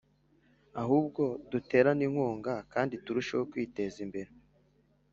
ahubwo duterane inkunga kandi turusheho kwiteza imbere